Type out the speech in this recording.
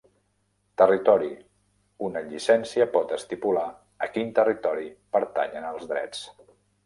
Territori: una llicència pot estipular a quin territori pertanyen els drets.